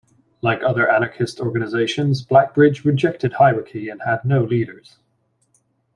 Like other anarchist organizations, Black Bridge rejected hierarchy and had no leaders.